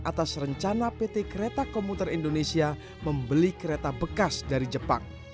atas rencana pt kereta komuter indonesia membeli kereta bekas dari jepang